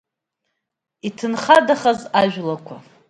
Иҭынхадахаз ажәлақәа.